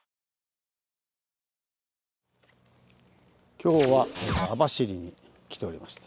今日は網走に来ておりまして。